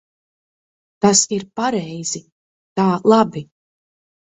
Tas ir pareizi. Tā labi.